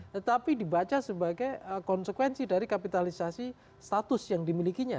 tetapi dibaca sebagai konsekuensi dari kapitalisasi status yang dimilikinya